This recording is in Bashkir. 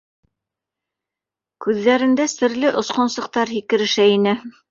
Күҙҙәрендә серле осҡонсоҡтар һикерешә ине